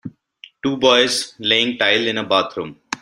Two boys laying tile in a bathroom.